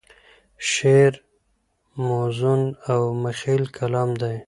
شعر موزون او مخیل کلام دی.